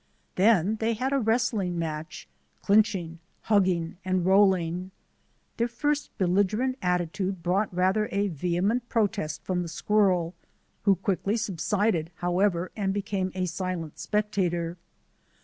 Then they had a wrestling match — clinch ing, hugging, and rolling. Their first belligerent attitude brought rather a vehement protest from the squirrel, who quickly subsided, however, and became a silent spectator.